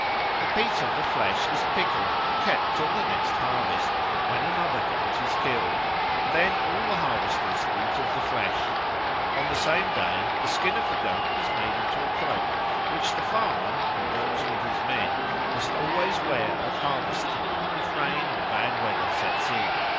A piece of the flesh is pickled and kept till the next harvest, when another goat is killed. Then all the harvesters eat of the flesh. On the same day the skin of the goat is made into a cloak, which the farmer, who works with his men, must always wear at harvest time if rain or bad weather sets in.